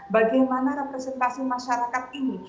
bagaimana representasi masyarakat ini